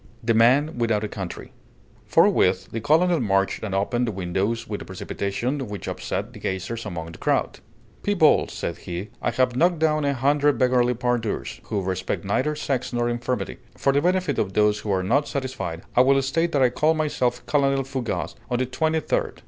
THE MAN WITHOUT A COUNTRY From 'The Man with the Broken Ear': by permission of Henry Holt, the Translator. Forthwith the colonel marched and opened the windows with a precipitation which upset the gazers among the crowd. "People," said he, "I have knocked down a hundred beggarly pandours, who respect neither sex nor infirmity. For the benefit of those who are not satisfied, I will state that I call myself Colonel Fougas of the Twenty third.